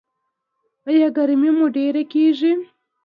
ایا ګرمي مو ډیره کیږي؟